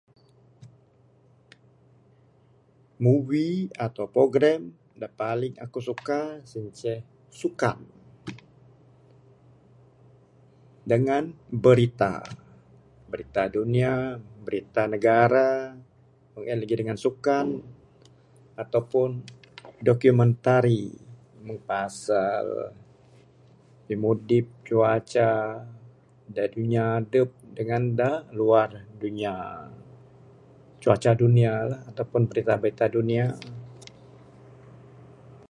Movie ato program da paling aku suka sien ceh sukan dangan berita. Berita dunia, berita negara, meng en lagih dangan sukan ato pun dokumentari meng pasal pimudip cuaca da dunia adep dangan da luar dunia. Cuaca dunia la, berita dunia.